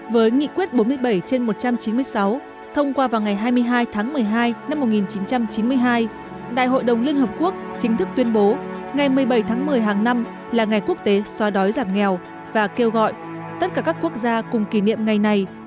với nghị quyết bốn mươi bảy trên một trăm chín mươi sáu thông qua vào ngày hai mươi hai tháng một mươi hai năm một nghìn chín trăm chín mươi hai đại hội đồng liên hợp quốc chính thức tuyên bố ngày một mươi bảy tháng một mươi hàng năm là ngày quốc tế xóa đói giảm nghèo và kêu gọi tất cả các quốc gia cùng kỷ niệm ngày này